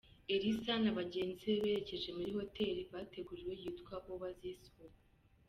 Elsa na bagenzi be berekeje muri hoteli bateguriwe yitwa Oasis O.